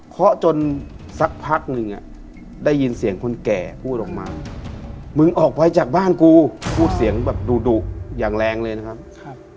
จนสักพักหนึ่งได้ยินเสียงคนแก่พูดออกมามึงออกไปจากบ้านกูพูดเสียงแบบดุดุอย่างแรงเลยนะครับ